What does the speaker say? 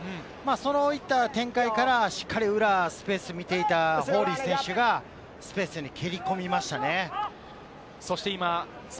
そういった展開からしっかり裏、スペースを見ていたフォーリー選手がスペースに切り込みましたね。